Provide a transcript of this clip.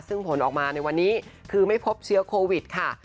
ซึ่งผลออกมาในวันนี้คือไม่พบเชื้อโควิดค่ะ